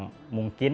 apakah itu bagaimana